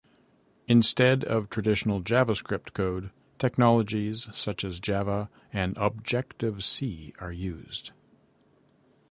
Instead of traditional JavaScript code, technologies such as Java and Objective-C are used.